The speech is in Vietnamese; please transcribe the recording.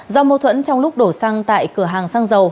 do mâu thuẫn trong lúc đổ xăng tại cửa hàng xăng dầu